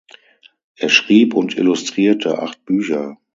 Er schrieb und illustrierte acht Bücher.